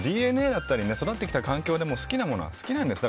ＤＮＡだったり育ってきた環境で好きなものは好きなんです。